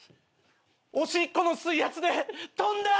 おしっこの水圧で飛んだ！